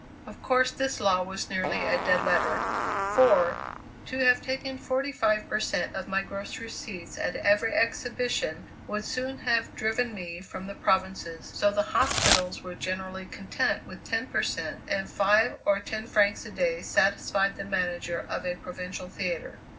Of course this law was nearly a dead letter; for, to have taken forty five per cent of my gross receipts at every exhibition would soon have driven me from the provinces, so the hospitals were generally content with ten per cent, and five or ten francs a day satisfied the manager of a provincial theatre.